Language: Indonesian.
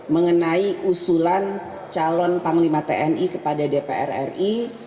mengenai usulan calon panglima tni kepada dpr ri